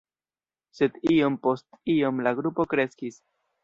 Sed iom post iom la grupo kreskis.